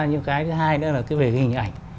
nhưng cái thứ hai nữa là về hình ảnh